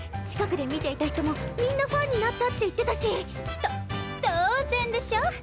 近くで見ていた人もみんなファンになったって言ってたし。と当然でしょ？